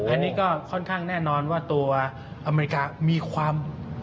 อันนี้ก็ค่อนข้างแน่นอนว่าตัวอเมริกามีความ